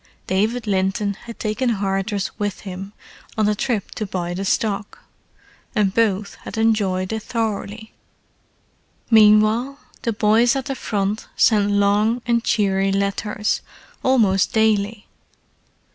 David Linton had taken Hardress with him on the trip to buy the stock, and both had enjoyed it thoroughly. Meanwhile the boys at the Front sent long and cheery letters almost daily.